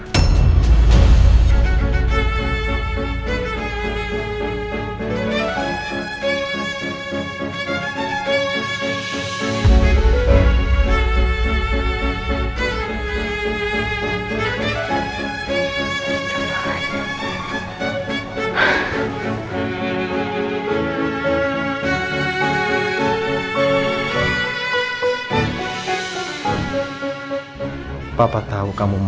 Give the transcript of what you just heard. tidak terselalu berseluruh